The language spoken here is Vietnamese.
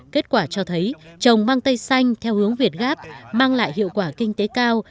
kết quả cho thấy trồng măng tây xanh theo hướng việt ghép mang lại hiệu quả kinh tế cao